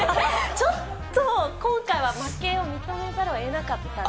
ちょっと今回は負けを認めざるをえなかったですね。